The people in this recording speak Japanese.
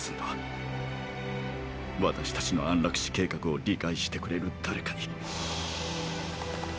私たちの「安楽死計画」を理解してくれる誰かに。